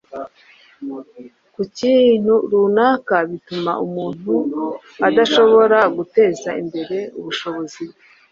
ku kintu runaka bituma umuntu adashobora guteza imbere ubushobozi bwe.